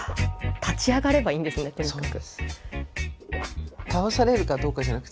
立ち上がればいいんですねとにかく。